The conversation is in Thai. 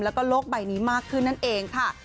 แล้วก็โลกใบนี้มากขึ้นนั่นเองค่ะ